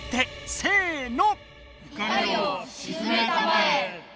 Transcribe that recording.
せの！